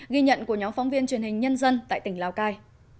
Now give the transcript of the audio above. ghi nhận của nhóm phóng viên truyền hình nhân dân tại tỉnh lào cai